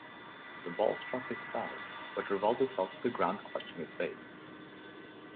The ball struck his thigh, but Rivaldo fell to the ground clutching his face.